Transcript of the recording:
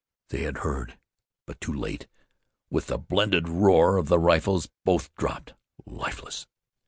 They had heard; but too late. With the blended roar of the rifles both dropped, lifeless.